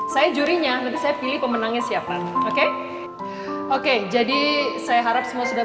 saya jurinya nanti saya pilih pemenangnya siapa oke oke jadi saya harap semua sudah